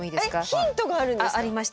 ヒントがあるんですか？